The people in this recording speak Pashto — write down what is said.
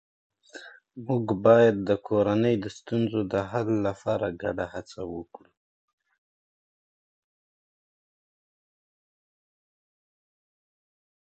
موږ باید د کورنۍ د ستونزو د حل لپاره ګډه هڅه وکړو